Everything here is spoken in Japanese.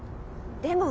でも。